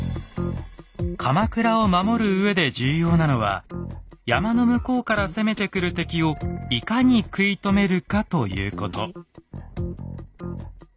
鎌倉を守るうえで重要なのは山の向こうから攻めてくる敵をいかに食い止めるかということ。